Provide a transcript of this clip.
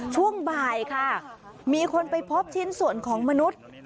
ช่วงบ่ายค่ะมีคนไปพบชิ้นส่วนของมนุษย์